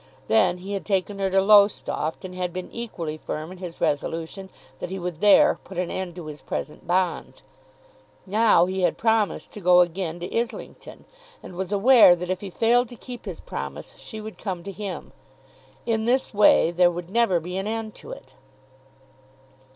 Then he had taken her to Lowestoft, and had been equally firm in his resolution that he would there put an end to his present bonds. Now he had promised to go again to Islington; and was aware that if he failed to keep his promise, she would come to him. In this way there would never be an end to it.